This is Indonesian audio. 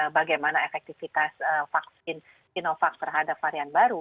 bagaimana efektifitas sinovac terhadap varian baru